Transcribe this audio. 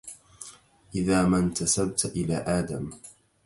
إذا ما انتسبت إلى آدم